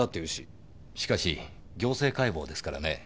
しかし行政解剖ですからね。